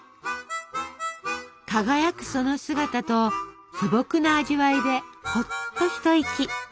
輝くその姿と素朴な味わいでホッと一息。